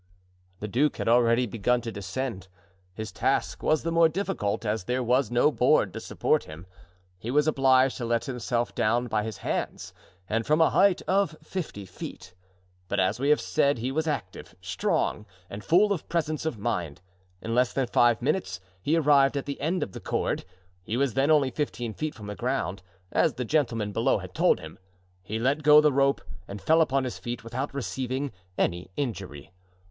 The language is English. The duke had already begun to descend. His task was the more difficult, as there was no board to support him. He was obliged to let himself down by his hands and from a height of fifty feet. But as we have said he was active, strong, and full of presence of mind. In less than five minutes he arrived at the end of the cord. He was then only fifteen feet from the ground, as the gentlemen below had told him. He let go the rope and fell upon his feet, without receiving any injury.